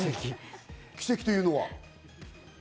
奇跡というのは？